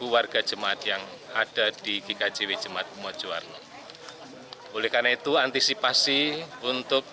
warga jemaat yang ada di gkjw jemaat mojowarno oleh karena itu antisipasi untuk